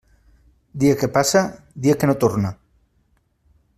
Dia que passa, dia que no torna.